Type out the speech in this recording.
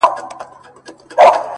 • ځوان لکه مړ چي وي،